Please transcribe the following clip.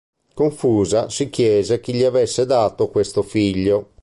Confusa, si chiese chi gli avesse dato questo figlio.